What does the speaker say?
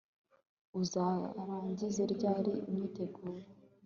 Uzarangiza ryari imyiteguro